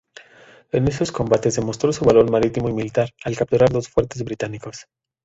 En esos combates demostró su valor marítimo y militar, al capturar dos fuertes británicos.